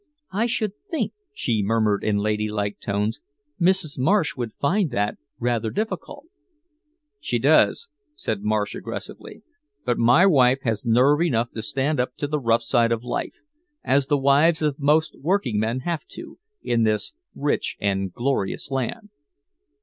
"I should think," she murmured in ladylike tones, "Mrs. Marsh would find that rather difficult." "She does," said Marsh aggressively. "But my wife has nerve enough to stand up to the rough side of life as the wives of most workingmen have to in this rich and glorious land."